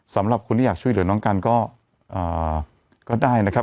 สำหรับคนที่อยากช่วยเหลือน้องกันก็ได้นะครับ